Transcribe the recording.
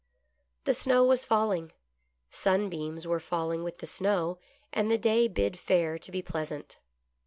The snow was falling. Sunbeams were falling with the snow, and the day bid fair to be pleasant.